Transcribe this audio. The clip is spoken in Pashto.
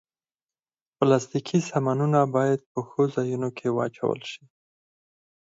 پلاستيکي سامانونه باید په ښو ځایونو کې واچول شي.